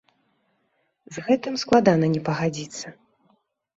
З гэтым складана не пагадзіцца.